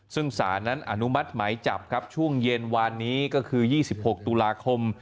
ซึ่งสารนั้นอนุมัติหมายจับครับช่วงเย็นวานนี้ก็คือ๒๖ตุลาคม